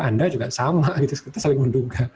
anda juga sama gitu kita saling menduga